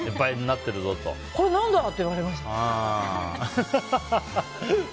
これ何だ！って言われました。